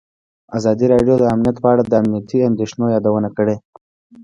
ازادي راډیو د امنیت په اړه د امنیتي اندېښنو یادونه کړې.